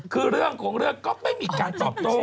คือเรื่องของเรื่องก็ไม่มีการตอบโต้